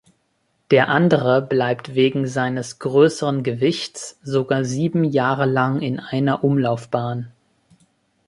Der andere bleibt wegen seines größeren Gewichts sogar sieben Jahre lang in einer Umlaufbahn.